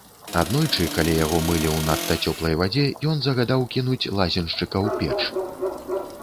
Аднойчы, калі яго мылі ў надта цёплай вадзе, ён загадаў кінуць лазеншчыка ў печ.